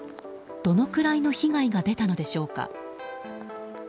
どのくらいの被害が出たのでしょうか。